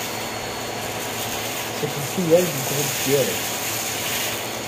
C’est une filiale du groupe Diehl.